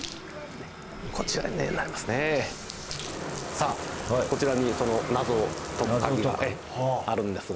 さあこちらにその謎を解く鍵があるんですが。